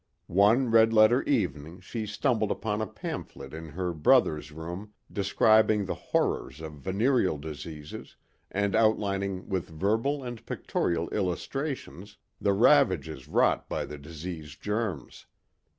One red letter evening she stumbled upon a pamphlet in her brother's room describing the horrors of venereal diseases and outlining with verbal and pictorial illustrations the ravages wrought by the disease germs.